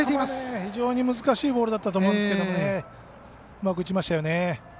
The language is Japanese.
非常に難しいボールだったと思いますけどうまく打ちましたよね。